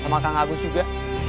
sama kang agus juga